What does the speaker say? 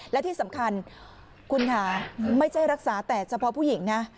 และที่สำคัญคุณค่ะไม่ใช่รักษาแต่เฉพาะผู้หญิงนะ